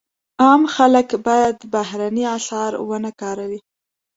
عام خلک باید بهرني اسعار ونه کاروي.